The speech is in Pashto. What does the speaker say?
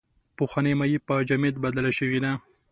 پخوانۍ مایع په جامد بدله شوې ده.